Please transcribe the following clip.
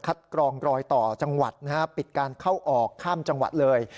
กรองรอยต่อจังหวัดนะฮะปิดการเข้าออกข้ามจังหวัดเลย